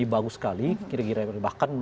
jadi bagus sekali kira kira gitu bahkan